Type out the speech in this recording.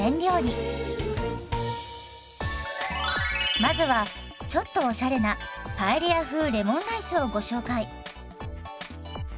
まずはちょっとおしゃれなパエリア風レモンライスをご紹介。